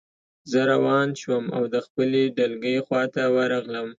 زه روان شوم او د خپلې ډلګۍ خواته ورغلم